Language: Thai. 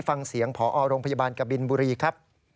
ฟังเสียงพอโรงพยาบาลกบินบุรีครับ